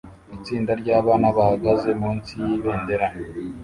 Itsinda ryabana bahagaze munsi yibendera